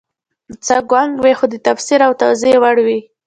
څه ګونګ وي خو د تفسیر او توضیح وړ وي